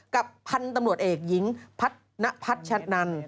กับพันธุ์ตำรวจเอกหญิงพัฒนพัชนัน